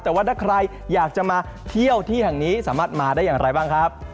แต่ว่าถ้าใครอยากจะมาเที่ยวที่แห่งนี้สามารถมาได้อย่างไรบ้างครับ